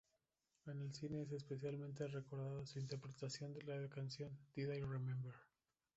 En el cine es especialmente recordada su interpretación de la canción "Did I remember?